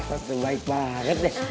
tante baik banget deh